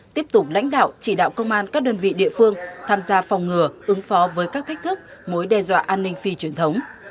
tiếp tục lãnh đạo chỉ đạo công an các đơn vị địa phương tham gia phòng ngừa ứng phó với các thách thức mối đe dọa an ninh phi truyền thống